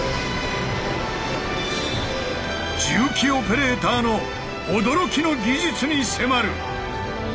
重機オペレーターの驚きの技術に迫る！